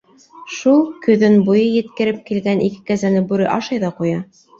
— Шул, көҙөн буй еткереп килгән ике кәзәне бүре ашай ҙа ҡуя.